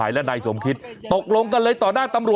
อ่าสรุปแล้วไม่ได้ไลค์ค่ะไม่ไลค์